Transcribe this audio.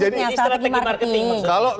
jadi ini strategi marketing